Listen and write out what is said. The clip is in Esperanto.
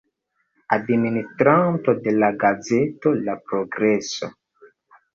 Administranto de la gazeto La Progreso.